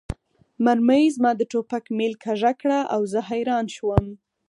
مرمۍ زما د ټوپک میل کږه کړه او زه حیران شوم